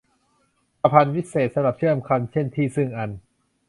ประพันธวิเศษณ์ สำหรับเชื่อมคำ เช่น ที่ ซึ่ง อัน